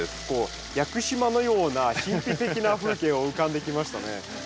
こう屋久島のような神秘的な風景を浮かんできましたね。